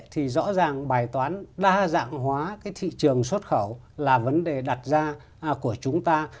thì rõ ràng bài toán đa dạng hóa cái thị trường xuất khẩu là vấn đề đặt ra của chúng ta